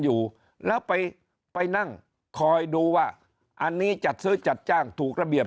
อยู่แล้วไปไปนั่งคอยดูว่าอันนี้จัดซื้อจัดจ้างถูกระเบียบ